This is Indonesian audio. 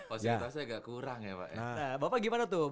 fasilitasnya agak kurang ya pak ya nah bapak gimana tuh